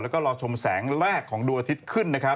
แล้วก็รอชมแสงแรกของดูอาทิตย์ขึ้น